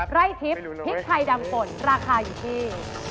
ไร่ทิพย์พริกไทยดำฝนราคาอยู่ที่